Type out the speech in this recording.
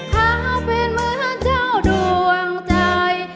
ขอเป็นเหมือนเจ้าดวงใจ